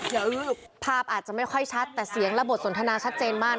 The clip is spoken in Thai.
อยู่ด้านซิ้นหญิงเกา